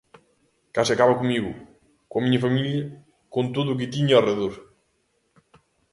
Case acaba comigo, coa miña familia, con todo o que tiña ao redor.